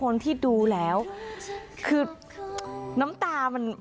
ไม่รู้ทำอย่างไร